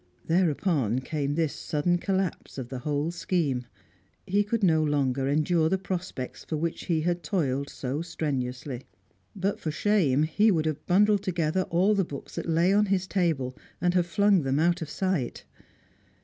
Thereupon came this sudden collapse of the whole scheme. He could no longer endure the prospects for which he had toiled so strenuously. But for shame, he would have bundled together all the books that lay on his table, and have flung them out of sight.